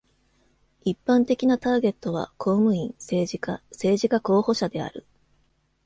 一般的なターゲットは公務員、政治家、政治家候補者である。